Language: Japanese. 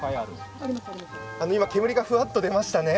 煙が、ふわっと出ましたね。